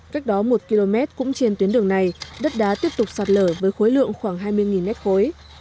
cách đó một km cũng trên tuyến đường này đất đá tiếp tục sạt lở với khối lượng khoảng hai mươi mét khối